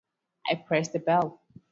I pressed the bell.